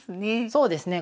そうですね。